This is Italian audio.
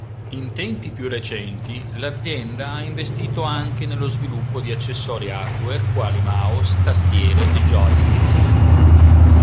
In tempi più recenti l'azienda ha investito anche nello sviluppo di accessori hardware quali mouse, tastiere e joystick.